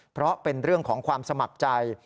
เพราะเป็นเรื่องของความสมัครใจ